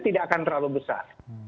tidak akan terlalu besar